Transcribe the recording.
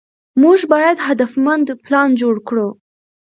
موږ باید هدفمند پلان جوړ کړو.